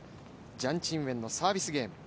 ジャン・チンウェンのサービスゲーム。